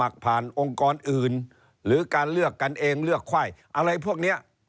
ผ่านองค์กรอื่นหรือการเลือกกันเองเลือกไข้อะไรพวกนี้